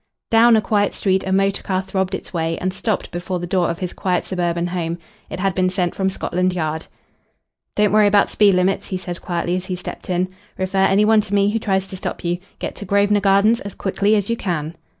Down a quiet street a motor car throbbed its way and stopped before the door of his quiet suburban home. It had been sent from Scotland Yard. "Don't worry about speed limits," he said quietly as he stepped in. "Refer any one to me who tries to stop you. Get to Grosvenor Gardens as quickly as you can."